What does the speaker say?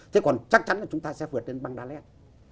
thế còn chắc chắn là chúng ta sẽ vượt lên bangda let